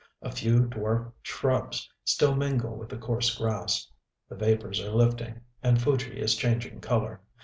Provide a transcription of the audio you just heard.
A few dwarf shrubs still mingle with the coarse grass.... The vapors are lifting; and Fuji is changing color.